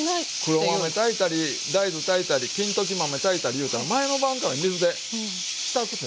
黒豆炊いたり大豆炊いたり金時豆炊いたりいうたら前の晩から水で浸すでしょ。